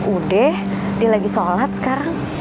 udah dia lagi sholat sekarang